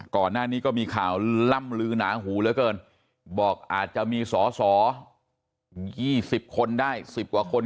ก่อนหน้านี้ก็มีข่าวล่ำลือหนาหูเหลือเกินบอกอาจจะมีสอสอ๒๐คนได้๑๐กว่าคน